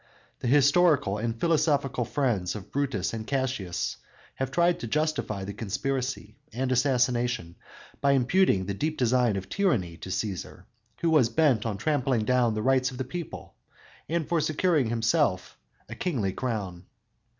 The historical and philosophical friends of Brutus and Cassius have tried to justify the conspiracy and assassination by imputing the deep design of tyranny to Cæsar, who was bent on trampling down the rights of the people and securing for himself a kingly crown.